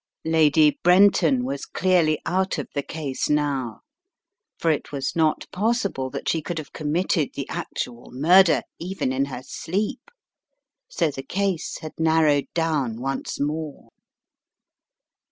Lady Brenton was clearly out of the case now, for it was not possible that she could have committed the actual murder, even in her sleep, so the case had narrowed down once more.